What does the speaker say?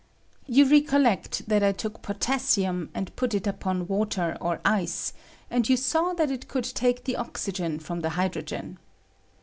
You recollect that I took potassium and put it upon water or ice, and you saw that it could take the oxygen &om the hydrogen.